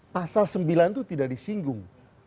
pasal sembilan itu tidak disinggung